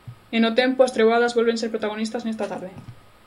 E no tempo, as treboadas volven ser protagonistas nesta tarde.